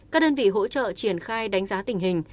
các đơn vị hỗ trợ triển khai đánh giá tình hình